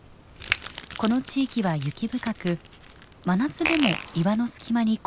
この地域は雪深く真夏でも岩の隙間に氷が残ります。